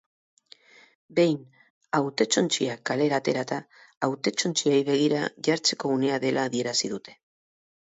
Behin hautetsontziak kalera aterata, hautetsontziei begira jartzeko unea dela adierazi dute.